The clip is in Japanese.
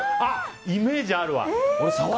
イメージあるわ。